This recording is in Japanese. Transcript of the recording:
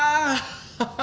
ハハハ。